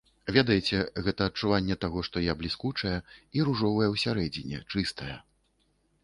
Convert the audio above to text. Ведаеце, гэта адчуванне таго, што я бліскучая і ружовая ўсярэдзіне, чыстая.